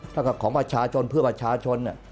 แล้วก็ของประชาชนเพื่อประชาชน